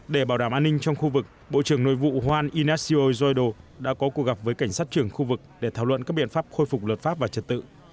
để bảo đảm an ninh trong khu vực bộ trưởng nội vụ huan inasio joedao đã có cuộc gặp với cảnh sát trưởng khu vực để thảo luận các biện pháp khôi phục luật pháp và trật tự